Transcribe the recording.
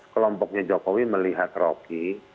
kelompoknya jokowi melihat rocky